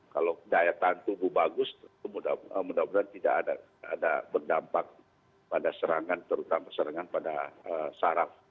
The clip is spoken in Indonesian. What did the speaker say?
kalau daya tahan tubuh bagus mudah mudahan tidak ada berdampak pada serangan terutama serangan pada saraf